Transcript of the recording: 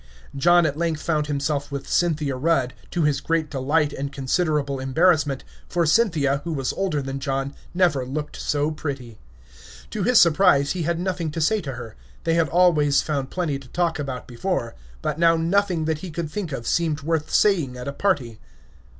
John at length found himself with Cynthia Rudd, to his great delight and considerable embarrassment, for Cynthia, who was older than John, never looked so pretty. To his surprise he had nothing to say to her. They had always found plenty to talk about before but now nothing that he could think of seemed worth saying at a party.